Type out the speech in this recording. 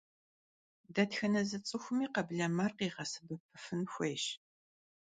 Detxene zı ts'ıxumi kheblemer khiğesebepıfın xuêyş.